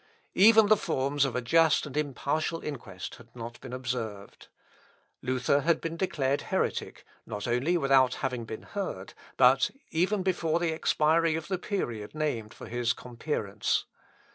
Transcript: Even the forms of a just and impartial inquest had not been observed. Luther had been declared heretic, not only without having been heard, but even before the expiry of the period named for his compearance.